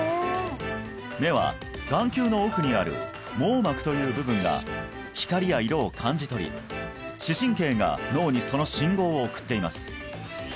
目は眼球の奥にある網膜という部分が光や色を感じ取り視神経が脳にその信号を送っています